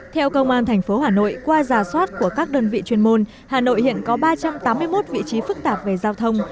theo công an tp hà nội qua giả soát của các đơn vị chuyên môn hà nội hiện có ba trăm tám mươi một vị trí phức tạp về giao thông